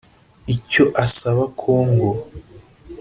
Icyo asaba Congo